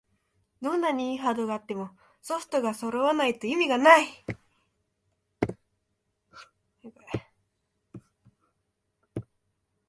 どんなに良いハードがあってもソフトがそろわないと意味がない